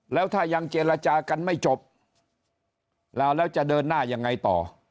แล้วถ้ายังเจรจากันไม่จบแล้วแล้วจะเดินหน้ายังไงต่อ